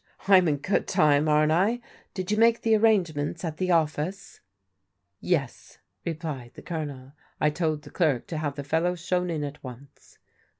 "Fm in good time, aren't I? Did you make arrangements at the ofiice ?"" Yes," replied the Colonel. " I told the clerk to have the fdlow shown in at once."